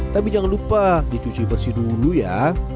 tapi jangan lupa dicuci bersih dulu ya